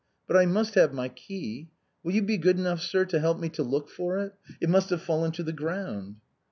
But I must have my key. Will you be good enough, sir, to help me to look for it? it must have fallen to the ground."